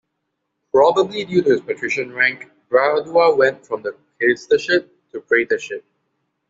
Probably due to his patrician rank, Bradua went from the quaestorship to praetorship.